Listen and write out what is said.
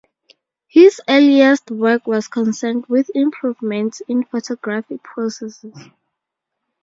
His earliest work was concerned with improvements in photographic processes.